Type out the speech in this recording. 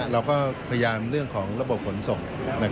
เราก็พยายามเรื่องของระบบขนส่ง